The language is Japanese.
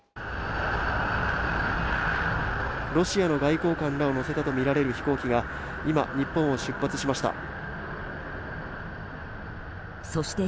ロシアの外交官らを乗せたとみられる飛行機が今、日本を出発しました。